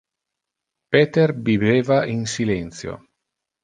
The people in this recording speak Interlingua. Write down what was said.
Peter bibeva in silentio.